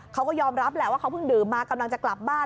เขาก็ยอมรับแหละว่าเขาเพิ่งดื่มมากำลังจะกลับบ้าน